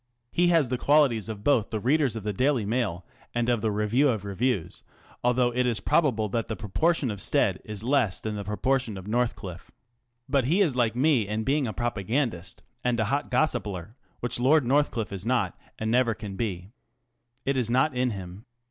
He has the qualities of both the editors of the Daily Mail and of the Review of Reviews ŌĆö although it is probable that the proportion of Stead is less than the proportion of Northcliffe. But he is like me in being a propagandist and a hot gospeller, which Lord Northcliffe is not, and never can be. It is not in him.